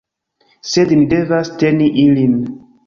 Sed ni devas teni ilin.